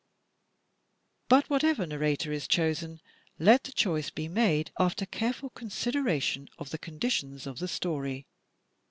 But whatever narrator is chosen, let the choice be made after careful consideration of the conditions of the story.